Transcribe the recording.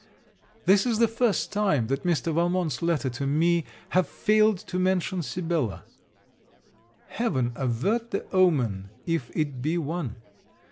This is the first time that Mr. Valmont's letters to me have failed to mention Sibella. Heaven avert the omen, if it be one!